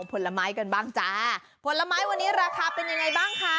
ผลไม้กันบ้างจ้าผลไม้วันนี้ราคาเป็นยังไงบ้างคะ